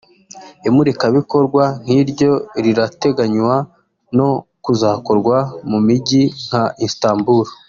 Imurikabikorwa nk’iryo rirateganywa no kuzakorwa mu mijyi nka Istanbul